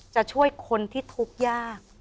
จะช่วยคนที่ทุกข์ยาก